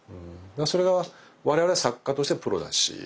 それが我々作家としてプロだし。